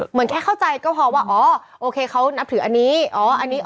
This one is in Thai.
เหมือนแค่เข้าใจก็พอว่าโอเคเขานับถืออันนี้